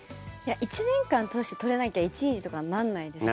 １年間通して取れなきゃ１位とかになんないですよね。